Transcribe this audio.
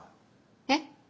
えっ？